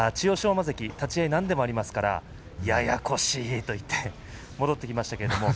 馬関、立ち合い何度もありますからややこしいと言って戻ってきました。